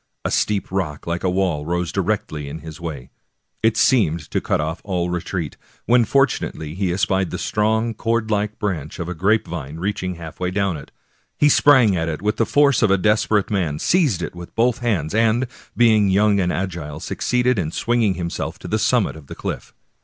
A steep rock like a wall rose directly in his way ; it seemed to cut off all retreat, when fortunately he espied the strong, cord like branch of a grape vine reaching half way down it. He sprang at it with the force of a desperate man, seized it with both hands, and, being young and agile, succeeded in swinging himself to the summit of the cliff.